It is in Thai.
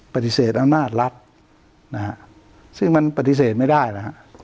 ปฏิเสธอำนาจรัฐนะฮะซึ่งมันปฏิเสธไม่ได้นะฮะ